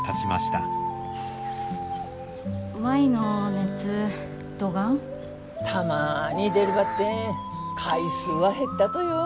たまに出るばってん回数は減ったとよ。